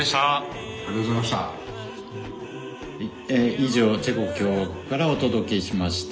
以上チェコ共和国からお届けしました。